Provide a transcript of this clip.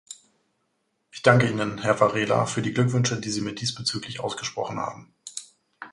Ich danke Ihnen, Herr Varela, für die Glückwünsche, die Sie mir diesbezüglich ausgesprochen haben.